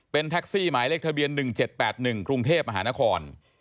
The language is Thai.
เป็นแท็กซี่หมายเลขทะเบียน๑๗๘๑กรุงเทพมหานคร